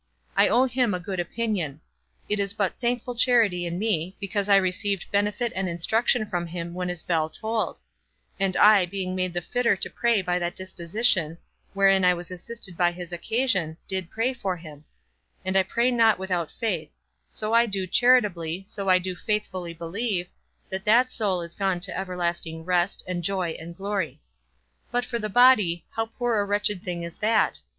I owe him a good opinion; it is but thankful charity in me, because I received benefit and instruction from him when his bell tolled; and I, being made the fitter to pray by that disposition, wherein I was assisted by his occasion, did pray for him; and I pray not without faith; so I do charitably, so I do faithfully believe, that that soul is gone to everlasting rest, and joy, and glory. But for the body, how poor a wretched thing is that?